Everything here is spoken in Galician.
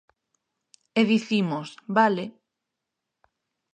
E dicimos: vale.